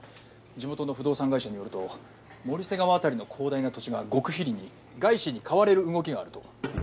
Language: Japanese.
地元の不動産会社によると守瀬川辺りの広大な土地が極秘裏に外資に買われる動きがあると。